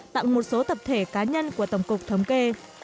tặng một số tập thể cá nhân của tổng cục thống kê